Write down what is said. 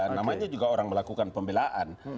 namanya juga orang melakukan pembelaan